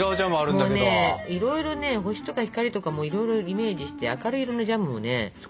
もうねいろいろね星とか光とかもいろいろイメージして明るい色のジャムもね作った！